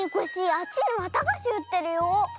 あっちにわたがしうってるよ。